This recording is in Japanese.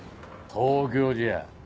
東京じゃ。